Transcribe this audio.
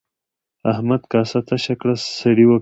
احمد کاسه تشه کړه سړي وکتل.